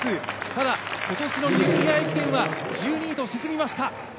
ただ、今年のニューイヤー駅伝は１２位と沈みました。